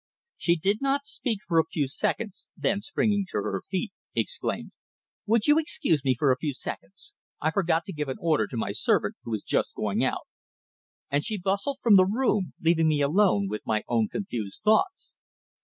She did not speak for a few seconds, then, springing to her feet, exclaimed: "Would you excuse me for a few seconds? I forgot to give an order to my servant who is just going out." And she bustled from the room, leaving me alone with my own confused thoughts.